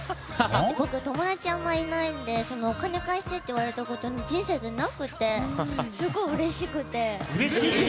僕、友達あんまいないんでお金貸してって言われたこと人生でなくてすごくうれしくて。